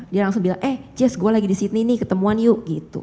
dia langsung bilang eh yes saya lagi di sydney nih ketemuan yuk